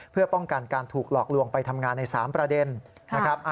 เพื่อป้องกันการถูกหลอกลวงไปทำงานใน๓ประเด็นนะครับ